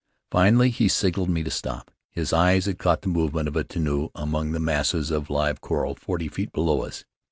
Finally he signaled me to stop — his eye had caught the movement of a tenu among the masses of live coral, forty feet below us.